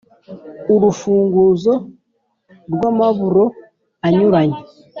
Urufunguzo rw’amaburo anyuranye,